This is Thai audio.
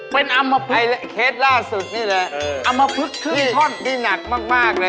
เป็นอัมพฤกษ์นี่แหละอัมพฤกษ์ขึ้นท่อนนี่หนักมากเลยอ่ะ